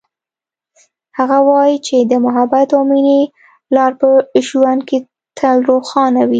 هغه وایي چې د محبت او مینې لار په ژوند کې تل روښانه وي